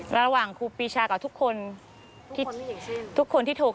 ระหว่างใครกับใคร